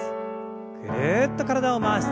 ぐるっと体を回して。